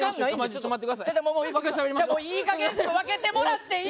ちょいいかげん分けてもらっていいですか？